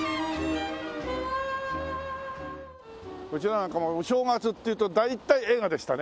うちらなんかもうお正月っていうと大体映画でしたね。